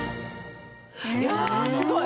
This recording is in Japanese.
いやあすごい！